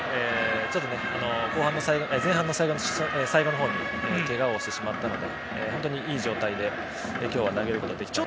ちょっと前半の最後のほうにけがをしてしまったので本当にいい状態で今日は投げることができたので。